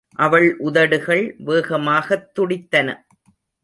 அவள் உதடுகள் வேகமாகத் துடித்தன.